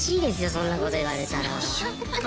そんなこと言われたら。